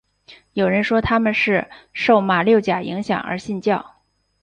有人说他们是受马六甲影响而信教。